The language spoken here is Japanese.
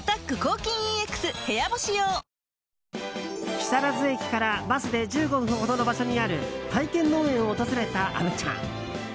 木更津駅からバスで１５分ほどの場所にある体験農園を訪れた虻ちゃん。